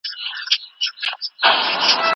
د خلګو کرامت باید تل خوندي وي.